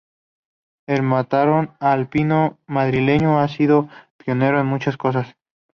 El Maratón Alpino Madrileño ha sido pionero en muchas cosas.